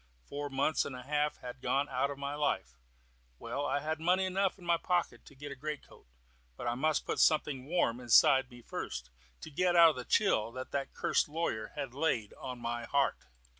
Four months and a half had gone out of my life. Well, I had money enough in my pocket to get a greatcoat; but I must put something warm inside me first, to get out the chill that cursed lawyer had laid on my heart.